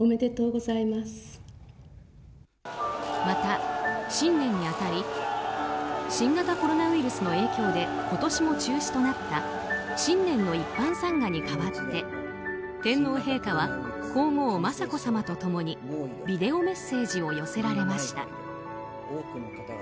また、新年に当たり新型コロナウイルスの影響で今年も中止となった新年の一般参賀に代わって天皇陛下は皇后・雅子さまと共にビデオメッセージを寄せられました。